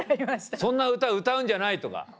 「そんな歌歌うんじゃない」とか。